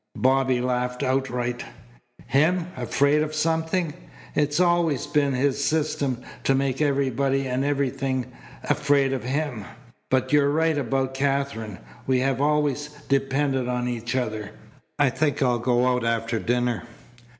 Bobby laughed outright. "Him afraid of something! It's always been his system to make everybody and everything afraid of him. But you're right about Katherine. We have always depended on each other. I think I'll go out after dinner."